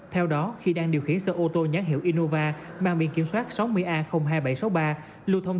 theo đó khi đang điều khiển sở ô tô nhãn hiệu innova mang biện kiểm soát sáu mươi a hai nghìn bảy trăm sáu mươi ba lưu thông